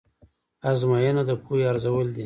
ازموینه د پوهې ارزول دي.